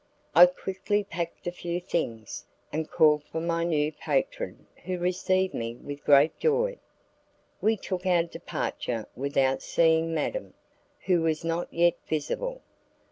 I quickly packed a few things, and called for my new patron who received me with great joy. We took our departure without seeing madam, who was not yet visible.